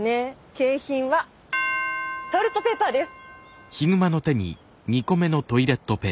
景品はトイレットペーパーです。